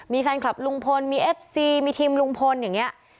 มีแฟนคลับลุงพลมีเอฟซีมีทีมลุงพลอย่างนี้